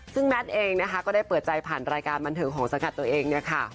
ซึ่งแมทเองนะคะก็ได้เปิดใจผ่านรายการบันเทิงของสังกัดตัวเองเนี่ยค่ะ